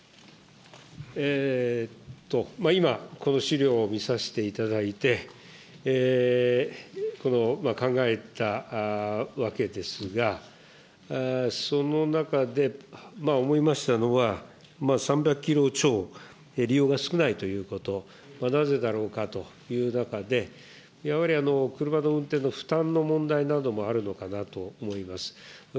今、この資料を見させていただいて、この考えたわけですが、その中で思いましたのは、３００キロ超利用が少ないということ、なぜだろうかという中で、やはり、車の運転の負担の問題などもあるのかなと思います。